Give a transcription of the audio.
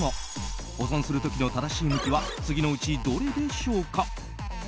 保存する時の正しい向きは次のうちどれでしょうか。